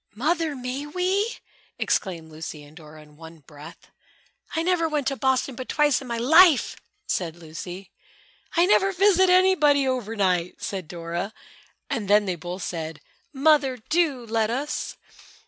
"Mother! May we?" exclaimed Lucy and Dora in one breath. "I never went to Boston but twice in my life," said Lucy. "I never visited anybody over night," said Dora and then they both said, "Mother, do let us!"